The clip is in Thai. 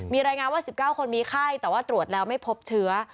มีรายงานว่า๑๙คนมีไข้แต่ว่าตรวจแล้วไม่พบเชื้อ